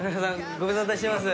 ご無沙汰してます。